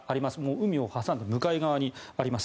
海を挟んだ向かい側にあります。